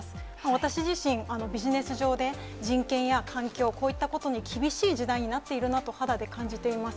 私自身、ビジネス上で人権や環境、こういったことに厳しい時代になっているなと肌で感じています。